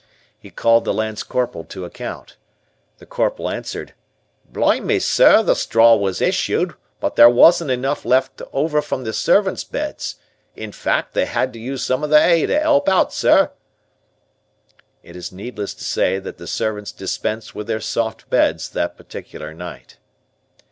He called the lance corporal to account. The Corporal answered, "Blime me, sir, the straw was issued, but there wasn't enough left over from the servants' beds; in fact, we had to use some of the 'ay to 'elp out, sir." It is needless to say that the servants dispensed with their soft beds that particular night.